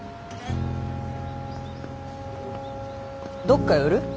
どっか寄る？